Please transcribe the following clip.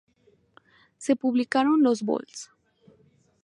Se publicaron los Vols.